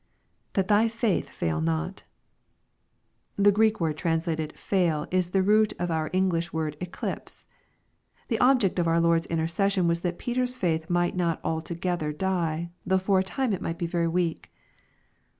[That thy faith fail not] The Greek word translated "fail" is the root of our English word " eclipse." The object of our Lord's intercession was that Peter's faith might not altogether die, though for a time it might be very weak.